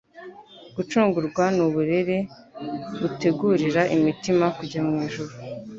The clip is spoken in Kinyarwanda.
Gucungurwa ni uburere butegurira imitima kujya mu ijuru.